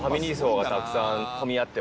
たくさん。